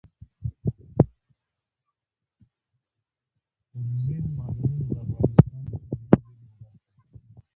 اوبزین معدنونه د افغانستان د طبیعي زیرمو برخه ده.